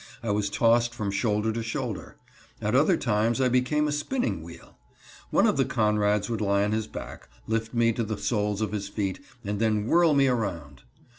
I was tossed from shoulder to shoulder. At other times I became a spinning wheel. One of the Conrads would lie on his back, lift me to the soles of his feet, and then whirl me around.